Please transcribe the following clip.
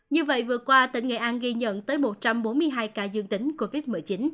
như vậy vừa qua tỉnh nghệ an ghi nhận tới một trăm bốn mươi hai ca dương tính covid một mươi chín